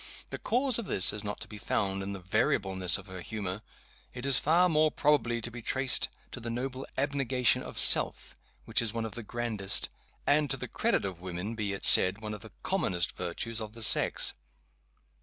The cause of this is not to be found in the variableness of her humor. It is far more probably to be traced to the noble abnegation of Self, which is one of the grandest and to the credit of woman be it said one of the commonest virtues of the sex.